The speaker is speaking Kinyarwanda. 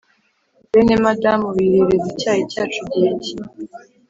Bene madamu bihereza icyayi cyacu gihe ki?